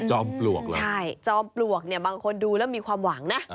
ปลวกเหรอใช่จอมปลวกเนี่ยบางคนดูแล้วมีความหวังนะ